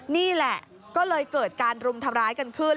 นี่แหละก็เลยเกิดการรุมทำร้ายกันขึ้น